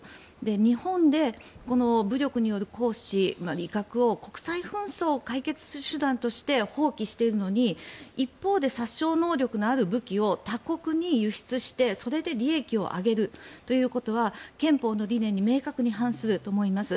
日本で武力による行使や威嚇を国際紛争を解決する手段として放棄しているのに一方で殺傷能力のある武器を他国に輸出してそれで利益を上げるということは憲法の理念に明確に反すると思います。